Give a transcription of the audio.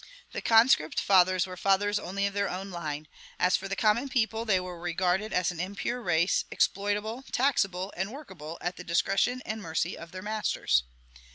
The Conscript Fathers were fathers only of their own line. As for the common people, they were regarded as an impure race, exploitable, taxable, and workable at the discretion and mercy of their masters.